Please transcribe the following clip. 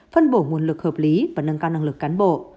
phân bổ nguồn lực hợp lý và nâng cao năng lực cán bộ